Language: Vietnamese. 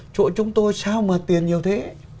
chỗ chúng tôi sao mà tiền nhiều thế